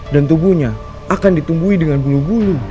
dan tubuhnya akan ditumbuhi dengan bulu bulu